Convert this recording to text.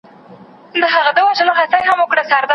ايا ته رسم کوې؟